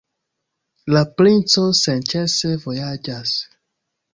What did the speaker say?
La princo senĉese vojaĝas.